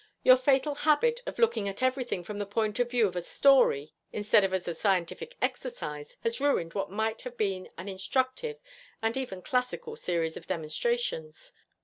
Your fatal habit of looking at everything from the point of view of a story instead of as a scientific exercise has ruined what might have been an instructive and even classical series of demonstrations.